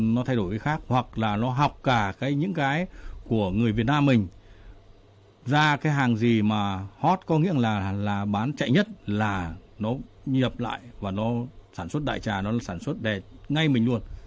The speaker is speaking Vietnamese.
nó thay đổi cái khác hoặc là nó học cả những cái của người việt nam mình ra cái hàng gì mà hot có nghĩa là bán chạy nhất là nó nhập lại và nó sản xuất đại trà nó sản xuất đẹp ngay mình luôn